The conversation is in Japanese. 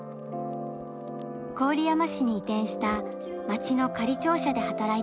郡山市に移転した町の仮庁舎で働いていました。